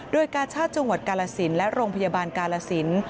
โดยกาชาติจังหวัดกาลสินและโรงพยาบาลกาลสิน